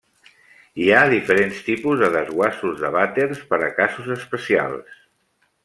Hi ha diferents tipus de Desguassos de vàters per a casos especials.